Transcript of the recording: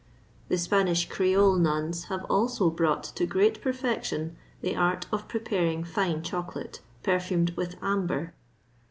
The Spanish Creole nuns have also brought to great perfection the art of preparing fine chocolate, perfumed with amber.